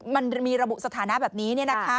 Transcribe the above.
มันมีระบุสถานะแบบนี้